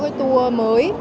nhiều các trải nghiệm mới